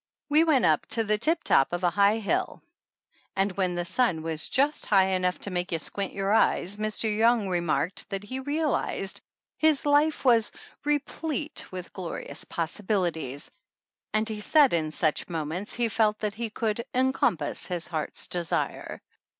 We went up to the tiptop of a high hill, and when the sun 81 THE ANNALS OF ANN was just high enough to make you squint your eyes Mr. Young remarked that he realized his life was "replete with glorious possibilities," and he said in such moments he felt that he could "encompass his heart's desire."